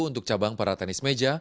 untuk cabang para tenis meja